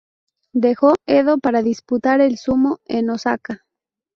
Dejó Edo para disputar el sumo en Osaka.